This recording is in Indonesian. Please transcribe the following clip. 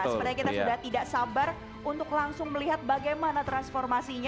sepertinya kita sudah tidak sabar untuk langsung melihat bagaimana transformasinya